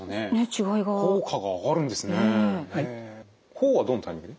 「ホー」はどのタイミングで？